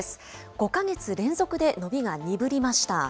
５か月連続で伸びが鈍りました。